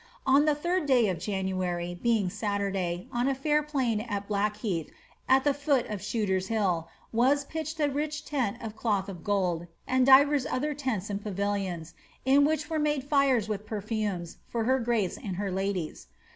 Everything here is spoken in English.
Ou the dd day of Januar}% being Satunlay, on a fair plain on Blackheath, at the foot of Shooter's Hill, was pitched a rich tent of cloth of gold, and divers other tents and pavilions, in which were made fires with per fumes, for her grace and her ladies.